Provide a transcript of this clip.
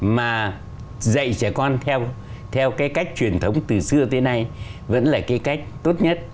mà dạy trẻ con theo cái cách truyền thống từ xưa tới nay vẫn là cái cách tốt nhất